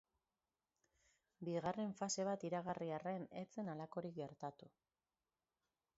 Bigarren fase bat iragarri arren, ez zen halakorik gertatu.